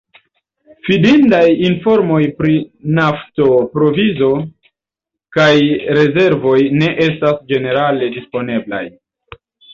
Fidindaj informoj pri nafto-provizo kaj -rezervoj ne estas ĝenerale disponeblaj.